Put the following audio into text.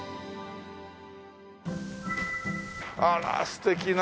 あら素敵な。